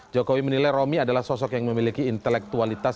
jokowi menilai romi adalah sosok yang memiliki intelektualitas